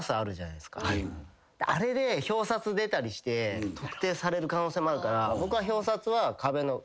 あれで表札出たりして特定される可能性もあるから。